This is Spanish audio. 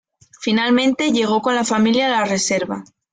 Finalmente, llegó con la familia a la reserva.